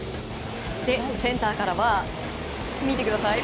センターからは、見てください